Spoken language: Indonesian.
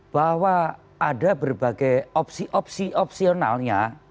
bahwa ada berbagai opsi opsi opsionalnya